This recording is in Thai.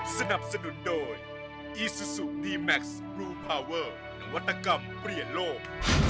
สนับสนุนโดยอีซูซูดีแม็กซ์บลูพาเวอร์นวัตกรรมเปลี่ยนโลก